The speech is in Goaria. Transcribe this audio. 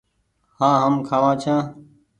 هآن هم کآوآن ڇآن ۔